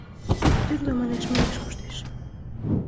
Тӱрлӧ манеш-манеш коштеш.